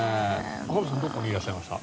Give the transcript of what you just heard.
中林さんはどこにいらっしゃいました？